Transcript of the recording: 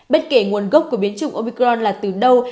bất kể nguồn gốc của biến chủng opicron là từ đâu